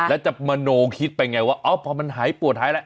แล้วจะมโนคิดเป็นไงว่าเอ้าพอมันหายปวดหายอะไร